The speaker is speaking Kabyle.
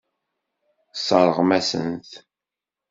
Tesseṛɣem-asen-t.